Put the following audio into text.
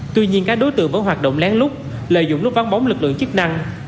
tuy nhiên các đối tượng vẫn hoạt động lén lút lợi dụng lúc vắng bóng lực lượng chức năng